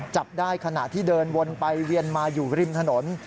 จับได้ขณะที่เดินวนไปเวียนมาอยู่ริมถนน